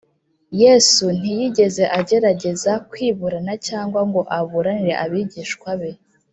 yesu ntiyigeze agerageza kwiburanira cyangwa ngo aburanire abigishwa be